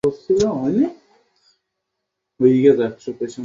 সে হয়তো মান্নার ও রবিকে জেলে রেখেছে।